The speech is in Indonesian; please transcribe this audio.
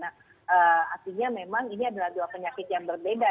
nah artinya memang ini adalah dua penyakit yang berbeda